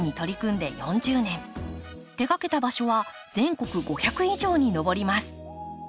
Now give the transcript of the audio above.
手がけた場所は全国５００以上に上ります。